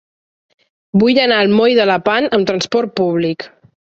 Vull anar al moll de Lepant amb trasport públic.